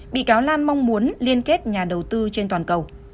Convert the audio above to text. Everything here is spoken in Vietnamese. bị cáo lan mong muốn liên kết nhà đầu tư trên toàn cầu